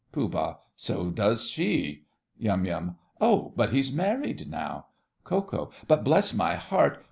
POOH. So does she. YUM. Oh, but he's married now. KO. But, bless my heart!